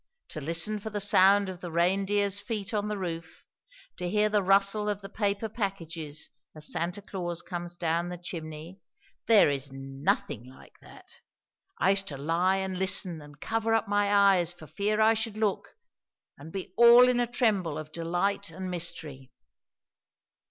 To listen for the sound of the reindeers' feet on the roof, to hear the rustle of the paper packages as Santa Claus comes down the chimney there is nothing like that! I used to lie and listen and cover up my eyes for fear I should look, and be all in a tremble of delight and mystery."